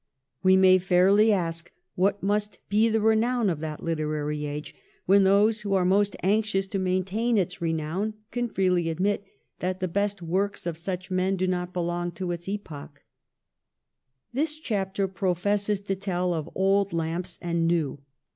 We may fairly ask what must be the renown of that literary age when those who are most anxious to maintain its renown can freely admit that the best works of §uch men do not belong to its epoch? This chapter professes to tell of old lamps and new.